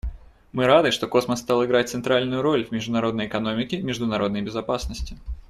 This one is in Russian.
Мы рады, что космос стал играть центральную роль в международной экономике и международной безопасности.